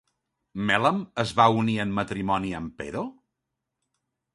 Melamp es va unir en matrimoni amb Pero?